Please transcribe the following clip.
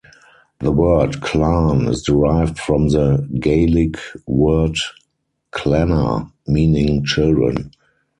The word "clan" is derived from the Gaelic word "clanna", meaning "children".